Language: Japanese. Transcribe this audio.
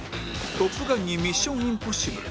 『トップガン』に『ミッション：インポッシブル』